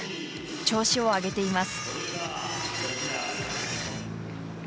調子を上げています。